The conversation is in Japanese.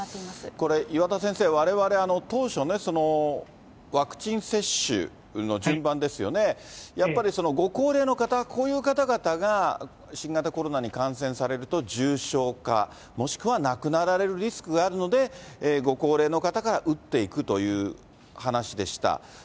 これ、岩田先生、われわれ、当初、ワクチン接種の順番ですよね、やっぱりご高齢の方、こういう方々が新型コロナに感染されると重症化、もしくは亡くなられるリスクがあるので、ご高齢の方から打っていくという話でした。